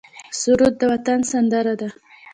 سرود د وطن سندره ده